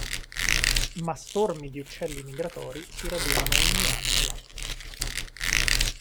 Ma stormi di uccelli migratori si radunano ogni anno là.